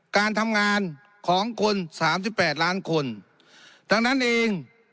การทำงานของคนสามสิบแปดล้านคนดังนั้นเอง